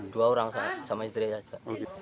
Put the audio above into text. dua orang sama istri saja